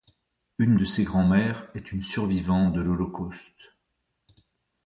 Une de ses grand-mères est une survivante de l'Holocauste.